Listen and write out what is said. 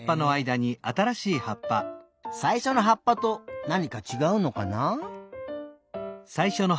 さいしょのはっぱとなにかちがうのかな？